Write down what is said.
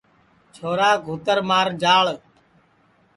چھورا گھُوتر مار جاݪ